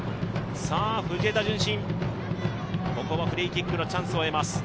藤枝順心、ここはフリーキックのチャンスを得ます。